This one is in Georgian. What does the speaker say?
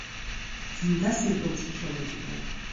გინდა, სირბილში შევეჯიბროთ?